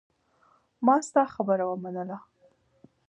ما ستا خبره ومنله.